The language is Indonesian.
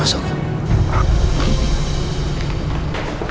mas sudah masak tadi